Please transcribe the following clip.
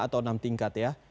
atau enam tingkat ya